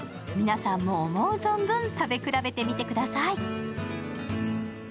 皆さんも思う存分食べ比べてみてください。